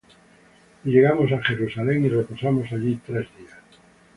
Y llegamos á Jerusalem, y reposamos allí tres días.